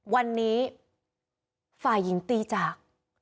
วันนี้ฝ่ายหญิงตีจาก